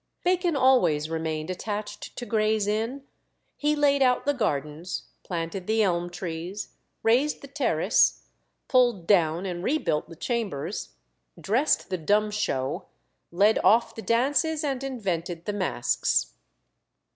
Bacon always remained attached to Gray's Inn; he laid out the gardens, planted the elm trees, raised the terrace, pulled down and rebuilt the chambers, dressed the dumb show, led off the dances, and invented the masques.